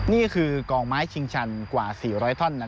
นี่คือกองไม้ชิงชันกว่า๔๐๐ท่อน